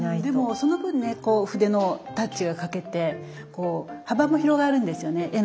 でもその分ね筆のタッチが描けてこう幅も広がるんですよね。